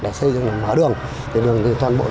để xây dựng nông thôn đường toàn bộ